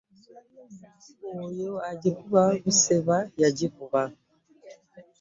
Oyo ajikuba Busemba y'agikuba .